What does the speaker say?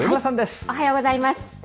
おはようございます。